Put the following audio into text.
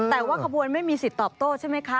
แต่ว่าขบวนไม่มีสิทธิ์ตอบโต้ใช่ไหมคะ